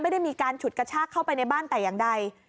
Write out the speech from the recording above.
ไม่ได้มีการฉุดกระชากเข้าไปในบ้านแต่อย่างใด